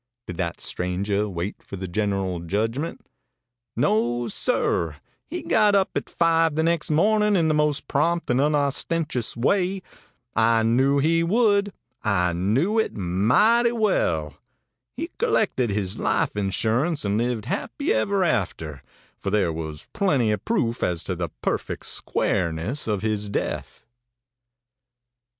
Did that stranger wait for the general judgment? No, sir; he got up at five the next morning in the most prompt and unostentatious way. I knew he would; I knew it mighty well. He collected his life insurance, and lived happy ever after, for there was plenty of proof as to the perfect squareness of his death.